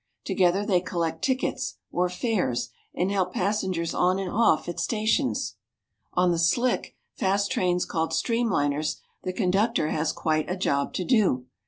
Together they collect tickets or fares and help passengers on and off at stations. On the slick, fast trains called streamliners the conductor has quite a job to do.